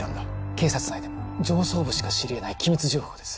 警察内でも上層部しか知り得ない機密情報です